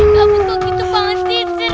gak butuh gitu banget sih seru